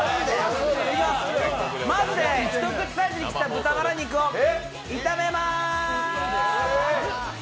まず、一口サイズに切った豚バラ肉を炒めます！